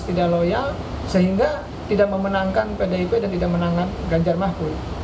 tidak loyal sehingga tidak memenangkan pdip dan tidak menangan ganjar mahfud